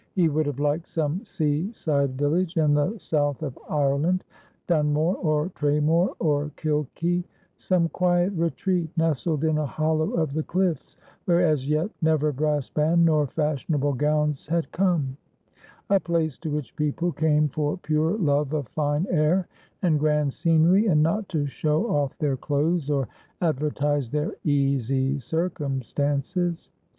He would have liked some sea side village in the south of Ireland — Dun more, or Tramore, or Kilkee ; some quiet retreat nestled in a hollow of the cliifs, where as yet never brass band nor fashion able gowns had come ; a place to which people came for pure love of fine air and grand scenery, and not to show oS. their clothes or advertise their easy circumstances.